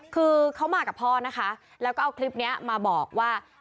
คือเขามากับพ่อนะคะแล้วก็เอาคลิปนี้มาบอกว่า